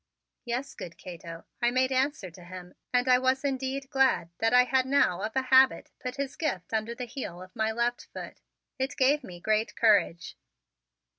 "Yes, good Cato," I made answer to him and I was indeed glad that I had now of a habit put his gift under the heel of my left foot. It gave me great courage.